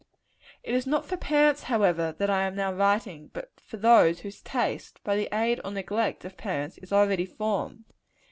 It is not for parents, however, that I am now writing; but for those whose taste, by the aid or neglect of parents, is already formed.